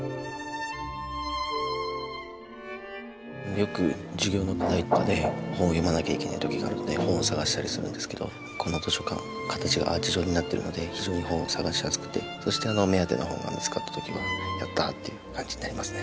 よく授業の課題とかで本を読まなきゃいけない時があるので本を探したりするんですけどこの図書館形がアーチ状になってるので非常に本を探しやすくてそして目当ての本が見つかった時はやったっていう感じになりますね。